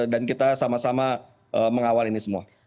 dan kita sama sama mengawal ini semua